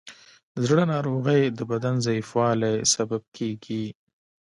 د زړه ناروغۍ د بدن ضعیفوالی سبب کېږي.